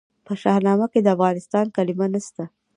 په شاهنامه کې د افغان کلمه نسته.